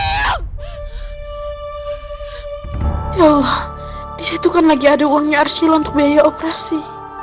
ya disitu kan lagi ada uangnya arsila untuk biaya operasi